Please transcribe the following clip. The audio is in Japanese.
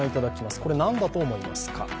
これ、何だと思いますか？